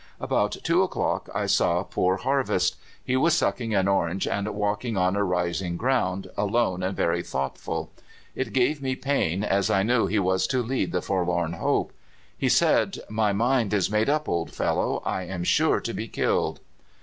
"About two o'clock I saw poor Harvest. He was sucking an orange and walking on a rising ground, alone and very thoughtful. It gave me pain, as I knew he was to lead the forlorn hope. He said, 'My mind is made up, old fellow: I am sure to be killed.